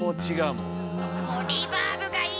もうリバーブがいい。